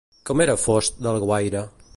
Com era Fost d'Alguaire?